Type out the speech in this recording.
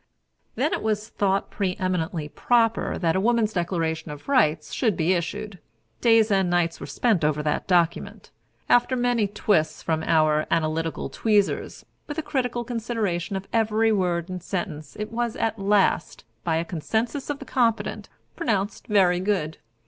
Then it was thought pre eminently proper that a Woman's Declaration of Rights should be issued. Days and nights were spent over that document. After many twists from our analytical tweezers, with a critical consideration of every word and sentence, it was at last, by a consensus of the competent, pronounced very good.